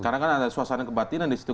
karena kan ada suasana kebatinan di situ